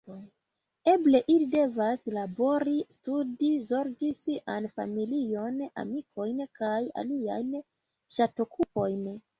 Eble ili devas labori, studi, zorgi sian familion, amikojn kaj aliajn ŝatokupojn.